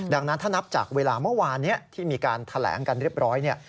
ดังนั้นถ้านับจากเวลาเมื่อวานนี้ที่มีการแถลงกันเรียบร้อยเนี่ย